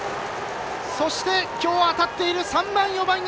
そして、きょう当たっている３番、４番へ。